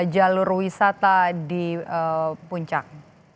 jalur wisata di puncak